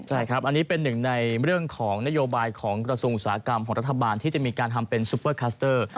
ใช่ครับอันนี้เป็นหนึ่งในเรื่องของนโยบายของกระทรวงอุตสาหกรรมของรัฐบาลที่จะมีการทำเป็นซุปเปอร์คัสเตอร์